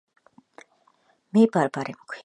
მე ბარბარე მქვია